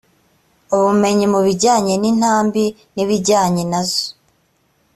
ubumenyi mu bijyanye n intambi n ibijyana na zo